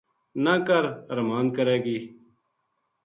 نہ کر ارماند کرے گی